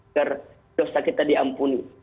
agar dosa kita diampuni